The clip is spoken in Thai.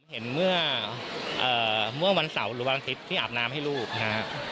เห็นเมื่อวันเสาร์หรือวันอาทิตย์ที่อาบน้ำให้ลูกนะฮะ